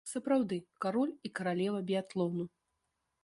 Сапраўды, кароль і каралева біятлону.